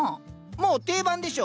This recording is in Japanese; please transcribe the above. もう定番でしょ。